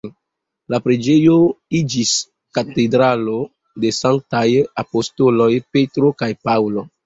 La preĝejo iĝis Katedralo de sanktaj apostoloj Petro kaj Paŭlo.